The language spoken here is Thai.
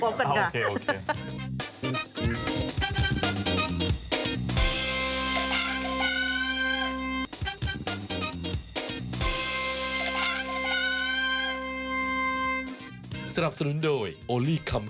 โอลี่คัมรี่ยากที่ใครจะตามทันโอลี่คัมรี่ยากที่ใครจะตามทัน